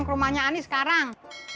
ke rumahnya ani sekarang